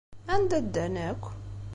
Anda ddan akk?